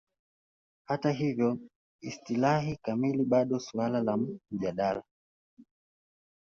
Hata hivyo, istilahi kamili bado suala la mjadala.